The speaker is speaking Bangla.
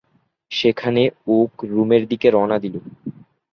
সেখানে ওক রুমের দিকে রওনা দিল।